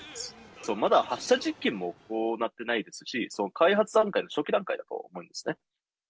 まだ発射実験も行ってないですし、その開発段階の、初期段階だと思いますね。